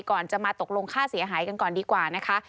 ก่อนจะมาตกลงค่าเสียหายกันก่อนดีกว่านะคะ